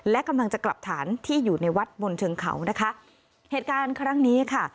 และกำลังจะกลับฐานที่อยู่ในวัดบนเชิงเขานะคะเหตุการณ์ครั้งนี้ค่ะ